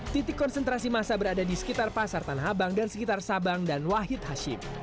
titik konsentrasi masa berada di sekitar pasar tanah abang dan sekitar sabang dan wahid hashim